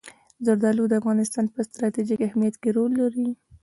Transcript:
زردالو د افغانستان په ستراتیژیک اهمیت کې رول لري.